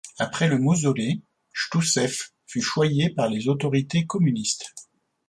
Après le mausolée, Chtchoussev fut choyé par les autorités communistes.